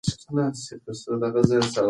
اداره باید د قانون له روحیې سره سم عمل وکړي.